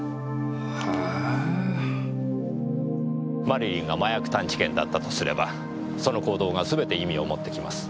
マリリンが麻薬探知犬だったとすればその行動がすべて意味を持ってきます。